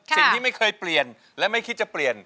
สิ่งที่ไม่เคยเปลี่ยนและไม่คิดจะเปลี่ยน